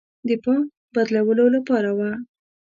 د پام بدلولو لپاره وه.